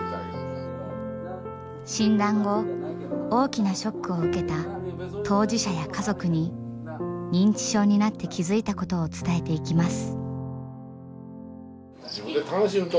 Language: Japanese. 診断後大きなショックを受けた当事者や家族に認知症になって気付いたことを伝えていきます。